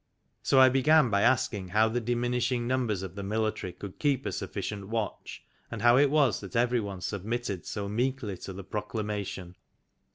So I began by asking how the diminishing numbers of the military could keep a sufficient watch, and how it was that every one submitted so meekly to the proclamation.